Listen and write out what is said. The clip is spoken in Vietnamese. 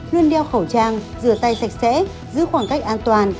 luôn đeo khẩu trang rửa tay sạch sẽ giữ khoảng cách an toàn